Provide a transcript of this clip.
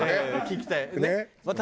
聞きたい。